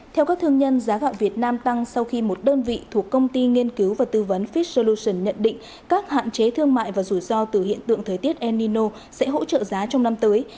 theo các thương nhân giá gạo việt nam tăng sau khi một đơn vị thuộc công ty nghiên cứu và tư vấn fish solution nhận định các hạn chế thương mại và rủi ro từ hiện tượng thời tiết el nino sẽ hỗ trợ giá trong năm tới